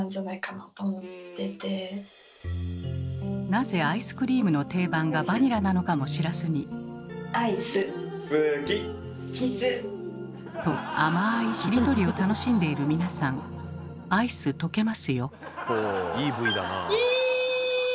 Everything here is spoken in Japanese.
なぜアイスクリームの定番がバニラなのかも知らずに。と甘いしりとりを楽しんでいる皆さんアイス溶けますよ。